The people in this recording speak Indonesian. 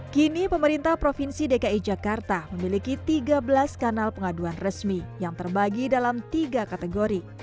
kini pemerintah provinsi dki jakarta memiliki tiga belas kanal pengaduan resmi yang terbagi dalam tiga kategori